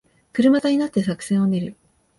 車座になって作戦を練る